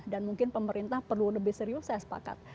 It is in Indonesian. dan mungkin pemerintah perlu lebih serius saya sepakat